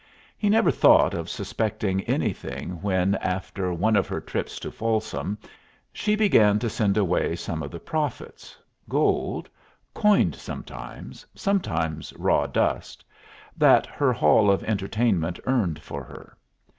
He never thought of suspecting anything when, after one of her trips to Folsom, she began to send away some of the profits gold, coined sometimes, sometimes raw dust that her hall of entertainment earned for her.